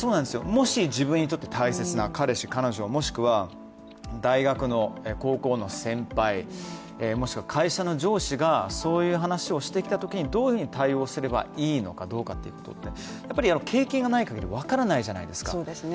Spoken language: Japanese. もし自分にとって大切な彼氏、彼女もしくは大学の、高校の先輩もしくは会社の上司がそういう話をしてきたときにどういうふうに対応したらいいのかどうか、やっぱり経験がないかぎり分からないじゃないですか。